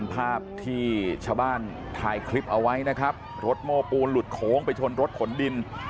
ภาพที่ชาวบ้านถ่ายคลิปเอาไว้นะครับรถโม้ปูนหลุดโค้งไปชนรถขนดิน